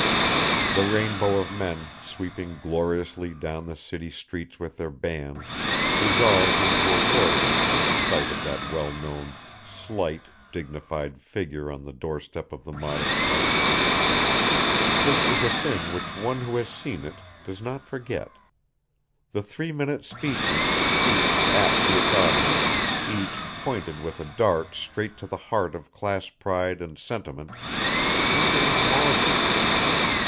The rainbow of men, sweeping gloriously down the city streets with their bands, dissolves into a whirlwind at the sight of that well known, slight, dignified figure on the doorstep of the modest house this is a thing which one who has seen it does not forget; the three minute speeches, each apt to its audience, each pointed with a dart straight to the heart of class pride and sentiment, these are a marvel.